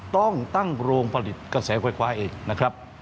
ต้องตั้งโรงผลิตกระแสไฟฟ้าเองนะครับ